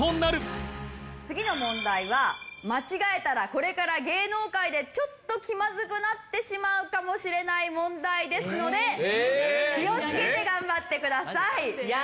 次の問題は間違えたらこれから芸能界でちょっと気まずくなってしまうかもしれない問題ですので気をつけて頑張ってください。